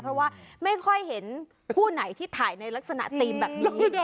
เพราะว่าไม่ค่อยเห็นคู่ไหนที่ถ่ายในลักษณะธีมแบบนี้